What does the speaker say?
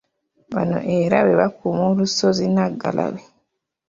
Bano era be bakuuma olusozi Nnaggalabi.